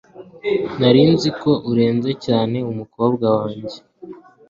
nari nzi ko arenze cyane umukobwa wanjye